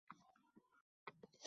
go‘yo uni qancha ko‘p bilsangiz